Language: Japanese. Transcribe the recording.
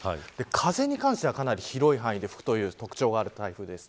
風に関してはかなり広い範囲で吹くという特徴がある台風です。